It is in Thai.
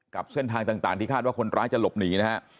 กับเส้นทางต่างที่คาดว่าคนร้ายจะหลบหนีนะฮะ